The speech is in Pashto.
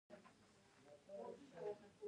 د افغانستان طبیعت له ستوني غرونه څخه جوړ شوی دی.